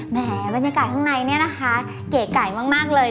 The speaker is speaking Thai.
แหมบรรยากาศข้างในเนี่ยนะคะเก๋ไก่มากเลย